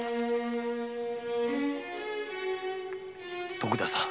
徳田さん